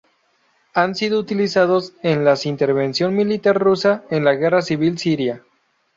Han sido utilizados en las intervención militar rusa en la Guerra Civil Siria.